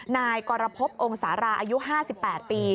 นายกรพพองค์สาราอายุห้าสิบแปดปี